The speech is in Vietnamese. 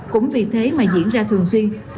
cũng vì thế mà diễn ra thường xuyên